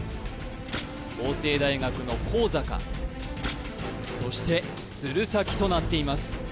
法政大学の向坂そして鶴崎となっています